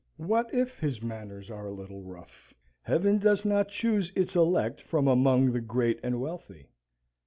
What if his manners are a little rough? Heaven does not choose its elect from among the great and wealthy.